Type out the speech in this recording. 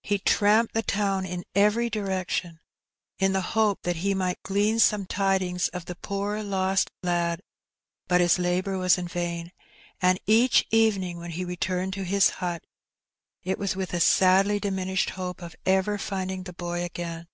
He tramped the town in every direction, in the hope that he might glean some tidings of the poor lost lad; but his labour was in vain, and each evening when he returned to his hut it was with a sadly diminished hope of ever finding the boy again.